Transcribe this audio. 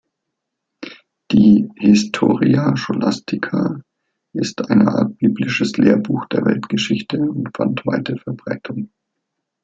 Die "Historia Scholastica" ist eine Art biblisches Lehrbuch der Weltgeschichte und fand weite Verbreitung.